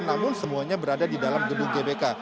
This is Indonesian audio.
namun semuanya berada di dalam gedung gbk